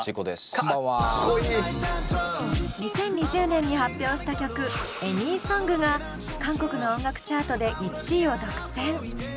２０２０年に発表した曲「ＡｎｙＳｏｎｇ」が韓国の音楽チャートで１位を独占。